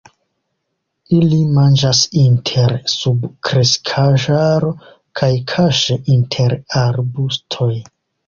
Ili manĝas inter subkreskaĵaro kaj kaŝe inter arbustoj.